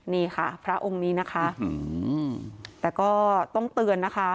นี่ค่ะพระองค์นี้นะคะแต่ก็ต้องเตือนนะคะ